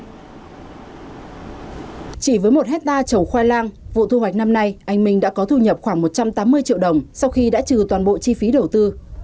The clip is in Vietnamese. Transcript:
chỉ với một hectare trồng khoai lang vụ thu hoạch năm nay anh minh đã có thu nhập khoảng một trăm tám mươi triệu đồng sau khi đã trừ toàn bộ chi phí đầu tư